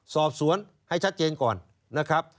สอบสวนให้ชัดเจนก่อนนะครับ